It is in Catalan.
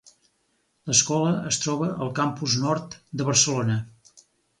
L'escola es troba al Campus Nord de Barcelona.